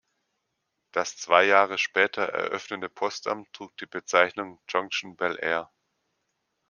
Das zwei Jahre später eröffnete Postamt trug die Bezeichnung Jonction–Bel-Air.